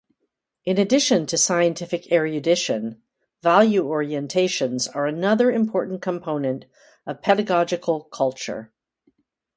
In addition to scientific erudition, value orientations are another important component of pedagogical culture.